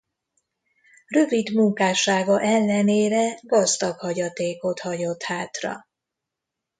Rövid munkássága ellenére gazdag hagyatékot hagyott hátra.